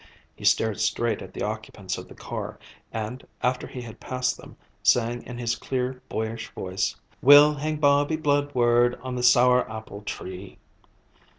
He stared straight at the occupants of the car, and, after he had passed them, sang in his clear, boyish voice: "We'll hang Bobby Bludward on the sour apple tree."